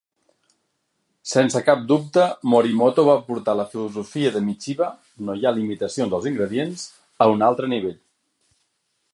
Sense cap dubte, Morimoto va portar la filosofia de Michiba "no hi ha limitacions als ingredients" a un altre nivell.